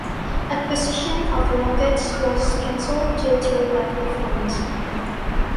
Acquisition of the rockets was cancelled due to lack of funds.